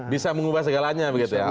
bisa mengubah segalanya begitu ya